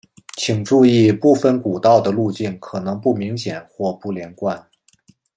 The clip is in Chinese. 请注意部份古道的路径可能不明显或不连贯。